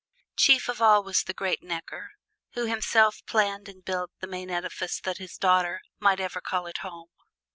Chief of all was the great Necker, who himself planned and built the main edifice that his daughter "might ever call it home."